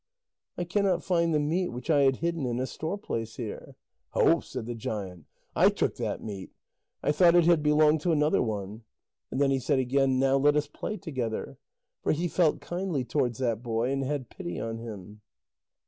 "I cannot find the meat which I had hidden in a store place here." "Ho," said the giant, "I took that meat. I thought it had belonged to another one." And then he said again: "Now let us play together." For he felt kindly towards that boy, and had pity on him.